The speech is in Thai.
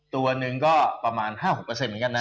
ตัวนึงก็ประมาณ๕๖อย่างนั้นนะ